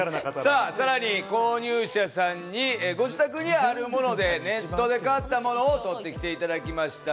さらに購入者さんに、ご自宅にあるもので、ネットで買ったものを撮って来ていただきました。